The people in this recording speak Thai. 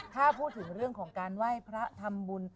ถ้าพูดถึงเรื่องของการไหว้พระทำบุญ